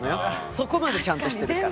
そこまでちゃんとしてるから。